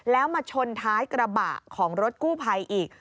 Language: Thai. แล้วมาชนท้ายกระบะของรถกู้ภัยอีก